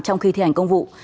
trong khi thi hành công vụ